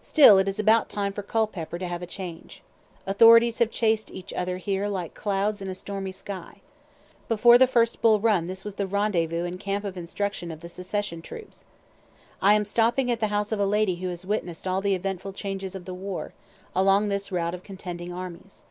Still it is about time for Culpepper to have a change. Authorities have chased each other here like clouds in a stormy sky. Before the first Bull Run this was the rendezvous and camp of instruction of the secession troops. I am stopping at the house of a lady who has witness'd all the eventful changes of the war, along this route of contending armies.